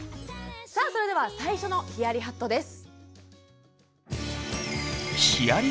さあそれでは最初のヒヤリハットです。